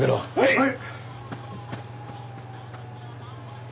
はい！